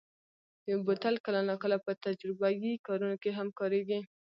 بوتل کله ناکله په تجربهيي کارونو کې هم کارېږي.